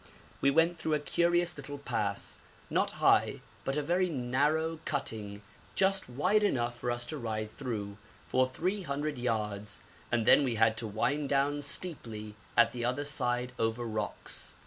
We went through a curious little pass, not high, but a very narrow cutting just wide enough for us to ride through, for 300 yards, and then we had to wind down steeply at the other side over rocks.